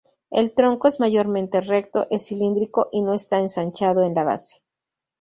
El tronco es mayormente recto, es cilíndrico y no está ensanchado en la base.